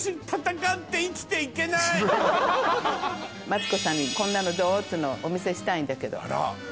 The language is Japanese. マツコさんにこんなのどう？っていうのをお見せしたいんだけど。